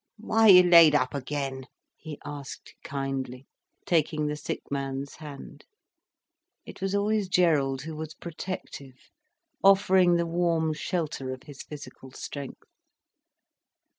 "Why are you laid up again?" he asked kindly, taking the sick man's hand. It was always Gerald who was protective, offering the warm shelter of his physical strength.